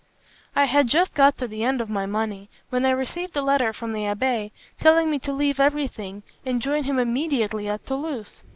"I had just got to the end of my money, when I received a letter from the abbé, telling me to leave every thing, and join him immediately at Toulouse.